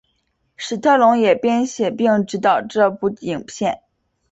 史特龙也编写并执导这部影片。